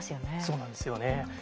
そうなんですよね。